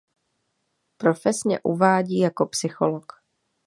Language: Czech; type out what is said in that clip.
Profesně uvádí jako psycholog.